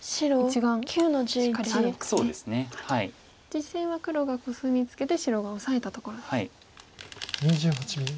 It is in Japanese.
実戦は黒がコスミツケて白がオサえたところです。